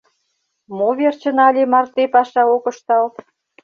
Мо верчын але марте паша ок ышталт?